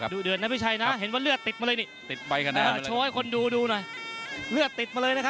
ดูเดือนนะพี่ชัยนะเห็นว่าเลือดติดมาเลยนี่